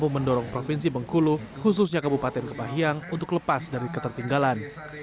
mendorong provinsi bengkulu khususnya kabupaten kepahyang untuk lepas dari ketertinggalan